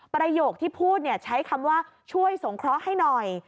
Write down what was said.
ประโยคที่พูดใช้คำว่าช่วยสงเคราะห์ให้หน่อย